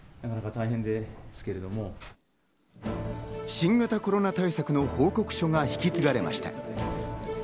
新型コロナ対策の報告書が引き継がれました。